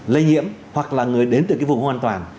lây nhiễm hoặc là người đến từ cái vùng hoàn toàn